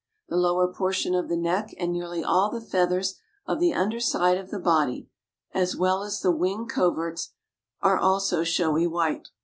The lower portion of the neck and nearly all the feathers of the under side of the body, as well as the wing coverts, are also showy white.